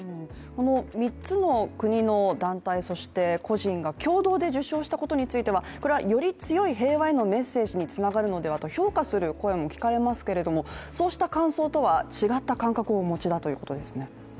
３つの国の団体、そして個人が共同で受賞したことについてはより強い平和へのメッセージにつながるのではと評価する声も聞かれますけれども、そうした感想とは違った感覚をお持ちだということですね？